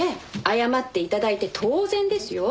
謝って頂いて当然ですよ。